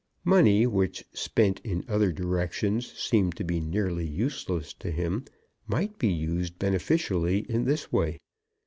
Money, which spent in other directions seemed to be nearly useless to him, might be used beneficially in this way.